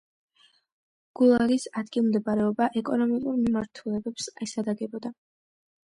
გულაგის ადგილმდებარეობა ეკონომიკურ მიმართულებებს ესადაგებოდა.